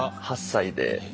８歳で。